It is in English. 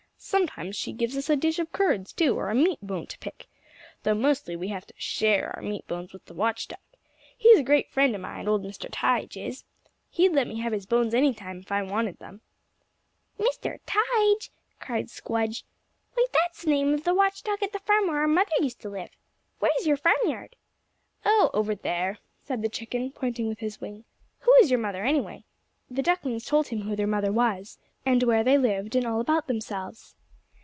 Sometimes she gives us a dish of curds, too; or a meat bone to pick. Though mostly we have to share our meat bones with the watch dog. He's a great friend of mine, old Mr. Tige is. He'd let me have his bones any time if I wanted them." "Mr. Tige!" cried Squdge. "Why, that's the name of the watch dog at the farm where our mother used to live. Where is your farmyard?" "Oh, over there," said the chicken, pointing with his wing. "Who is your mother, anyway?" The ducklings told him who their mother was, and where they lived, and all about themselves.